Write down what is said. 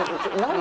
何？